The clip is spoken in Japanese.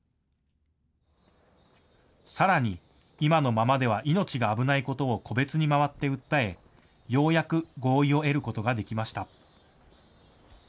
さらに今のままでは命が危ないことを個別に回って訴え、ようやく合意を得ることができました。